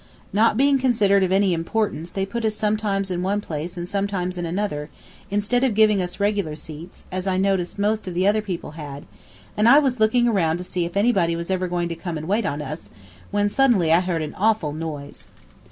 Not being considered of any importance they put us sometimes in one place and sometimes in another, instead of giving us regular seats, as I noticed most of the other people had, and I was looking around to see if anybody was ever coming to wait on us, when suddenly I heard an awful noise.